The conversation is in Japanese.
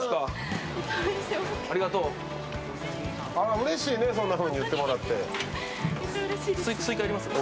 うれしいね、そんなふうに言ってもらって。